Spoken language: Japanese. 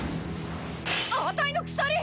あたいの鎖！